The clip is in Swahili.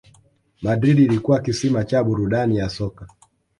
Madrid ilikuwa kisima cha burudani ya soka